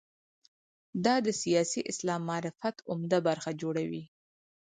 دا د سیاسي اسلام معرفت عمده برخه جوړوي.